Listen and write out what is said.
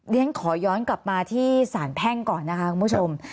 เรียนขอย้อนกลับมาที่สารแพ่งก่อนนะคะคุณผู้ชม